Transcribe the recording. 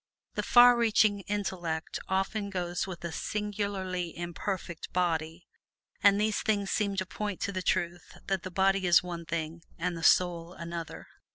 The far reaching intellect often goes with a singularly imperfect body, and these things seem to point to the truth that the body is one thing and the soul another.